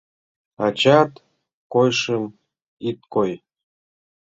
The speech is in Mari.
Ачат койышым ит кой!